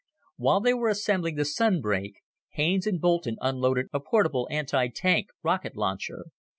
While they were assembling the sunbreak, Haines and Boulton unloaded a portable antitank rocket launcher.